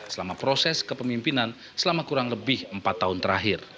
selama proses kepemimpinan selama kurang lebih empat tahun terakhir